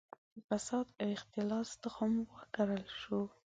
د فساد او اختلاس تخم وکرل شو.